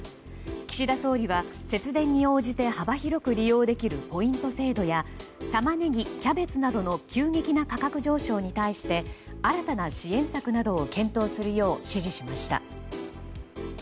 岸田総理は節電に応じて幅広く利用できるポイント制度やタマネギ、キャベツなどの急激な価格上昇に対して新たな支援策などを検討するよう指示しました。